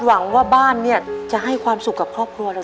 หวังว่าบ้านเนี่ยจะให้ความสุขกับครอบครัวเรา